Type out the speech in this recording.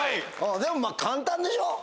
でも簡単でしょ？